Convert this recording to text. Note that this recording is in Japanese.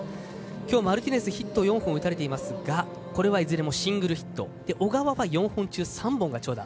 マルティネスはヒット４本打たれていますがいずれもシングルヒット小川は４本中３本が長打。